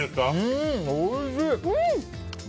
おいしい。